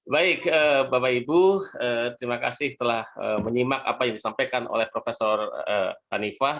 baik bapak ibu terima kasih telah menyimak apa yang disampaikan oleh prof hanifah